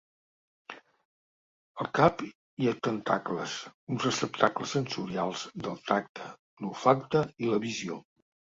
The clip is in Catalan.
Al cap hi ha tentacles, uns receptacles sensorials del tacte, l'olfacte i la visió.